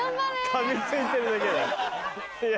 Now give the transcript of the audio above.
かみついてるだけ。